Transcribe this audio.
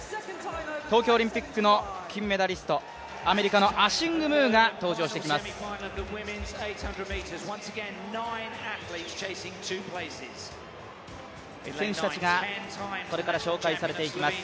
東京オリンピックの金メダリスト、アメリカのアシング・ムーが登場してきます。